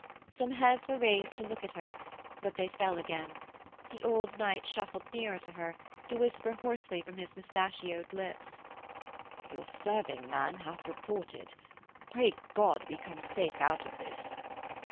Some heads were raised to look at her, but they fell again; the old knight shuffled nearer her to whisper hoarsely from his moustachioed lips: 'Your serving man hath reported. Pray God we come safe out of this!'